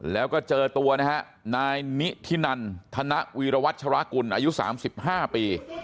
แล้วก็เจอตัวนะฮะนายนิธินันธนวีรวัชรากุลอายุ๓๕ปี